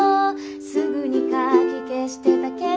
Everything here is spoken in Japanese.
すぐに掻き消してたけど」